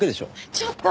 ちょっと！